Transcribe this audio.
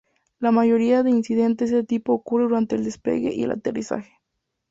La mayoría de incidentes de este tipo ocurre durante el despegue y el aterrizaje.